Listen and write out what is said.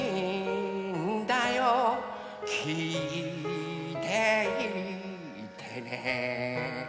「きいていてね、、、」